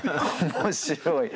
面白い。